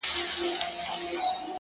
فکرونه د برخلیک تخمونه دي.!